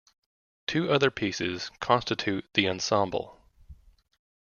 Two other pieces constitute the "Ensemble".